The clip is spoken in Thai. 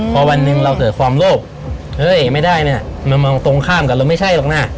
พอวันหนึ่งเราเกิดความโลภเฮ้ยไม่ได้เนี่ยมันมองตรงข้ามกับเราไม่ใช่หรอกนะ